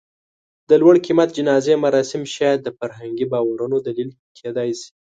د لوړ قېمت جنازې مراسم شاید د فرهنګي باورونو دلیل کېدی شي.